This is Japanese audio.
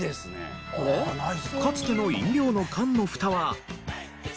かつての飲料の缶の蓋は。